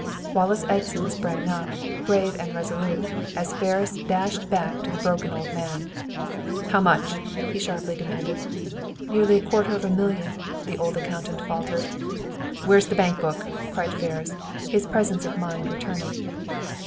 Wallace Edson sprang up, brave and resolute, as Ferris dashed back to the broken old man. "How much?" he sharply demanded. "Nearly a quarter of a million!" the old accountant faltered. "Where's the bank book?" cried Ferris, his presence of mind returning.